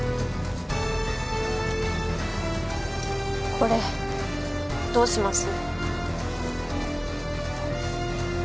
これどうします？